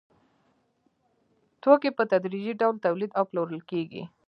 توکي په تدریجي ډول تولید او پلورل کېږي